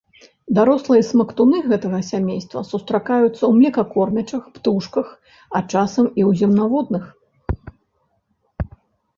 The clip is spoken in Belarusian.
Дарослыя смактуны гэтага сямейства сустракаюцца ў млекакормячых, птушках, а часам і ў земнаводных.